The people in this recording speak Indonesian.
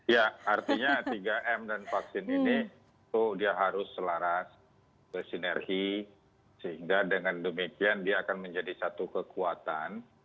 ya artinya tiga m dan vaksin ini itu dia harus selaras bersinergi sehingga dengan demikian dia akan menjadi satu kekuatan